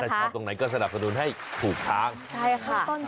แต่ชอบตรงไหนก็สนับสนุนให้ถูกทาง